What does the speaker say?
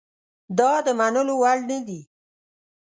دا د منلو وړ نه دي.